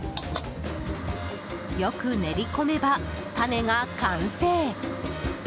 よく練り込めばタネが完成。